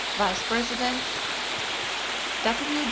Vice presidents. W.